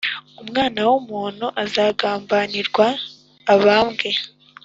Umwana w’umuntu azagambanirwa abambwe.